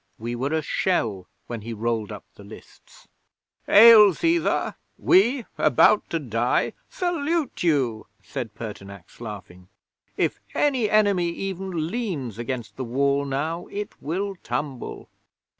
We were a shell when he rolled up the lists! '"Hail, Cæsar! We, about to die, salute you!" said Pertinax, laughing. "If any enemy even leans against the Wall now, it will tumble."